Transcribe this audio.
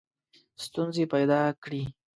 ستونزي پیدا کړي.